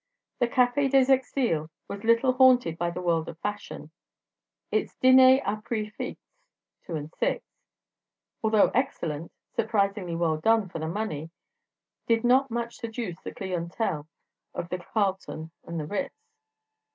The Café des Exiles was little haunted by the world of fashion; its diner á prix fixe (2/6), although excellent, surprisingly well done for the money, did not much seduce the clientèle of the Carlton and the Ritz.